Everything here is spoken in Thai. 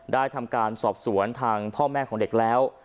ทำการสอบสวนทางพ่อแม่ของเด็กแล้ว